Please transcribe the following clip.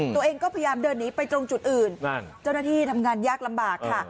ตัวเองก็พยายามเดินหนีไปตรงจุดอื่นเจ้าหน้าที่ทำงานยากลำบากค่ะ